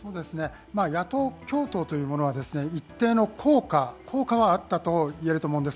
野党共闘というものは、一定の効果はあったといえると思うんです。